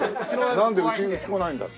なんでうちに来ないんだって。